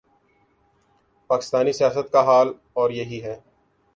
پاکستانی سیاست کا حال اور یہی ہے۔